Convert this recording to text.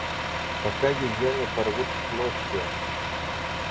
Пока ее не порвут в клочья.